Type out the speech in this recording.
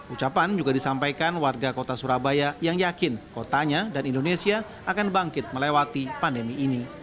ucapan juga disampaikan warga kota surabaya yang yakin kotanya dan indonesia akan bangkit melewati pandemi ini